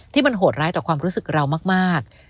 มันโหดร้ายต่อความรู้สึกเรามาก